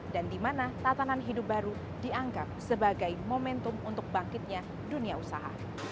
dan dimana tatanan hidup baru dianggap sebagai momentum untuk bangkitnya dunia usaha